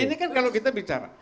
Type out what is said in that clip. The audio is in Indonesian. ini kan kalau kita bicara